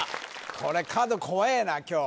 これ角怖えな今日